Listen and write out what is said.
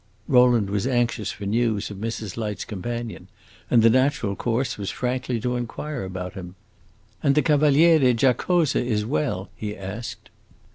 Rowland was anxious for news of Mrs. Light's companion, and the natural course was frankly to inquire about him. "And the Cavaliere Giacosa is well?" he asked.